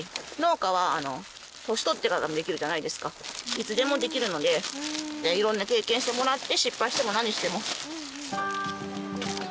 いつでもできるので色んな経験してもらって失敗しても何しても。